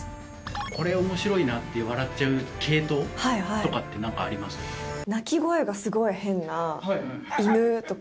これ、おもしろいなって、笑っちゃう系統とかってなんかありますか？